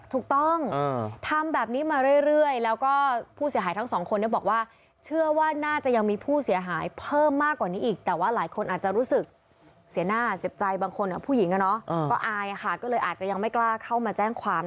ถูกต้องทำแบบนี้มาเรื่อยแล้วก็ผู้เสียหายทั้งสองคนบอกว่า